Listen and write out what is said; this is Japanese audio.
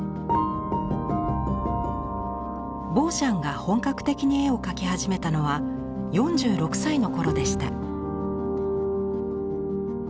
ボーシャンが本格的に絵を描き始めたのは４６歳の頃でした。